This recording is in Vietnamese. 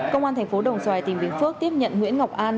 công an thành phố đồng xoài tỉnh bình phước tiếp nhận nguyễn ngọc an